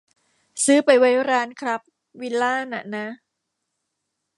ซื้อไปไว้ร้านครับวิลล่าน่ะนะ